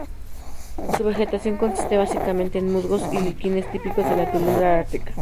Su vegetación consiste básicamente en musgos y líquenes típicos de la tundra ártica.